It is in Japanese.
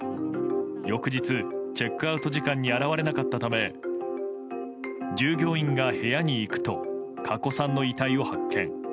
翌日チェックアウト時間に現れなかったため従業員が部屋に行くと加古さんの遺体を発見。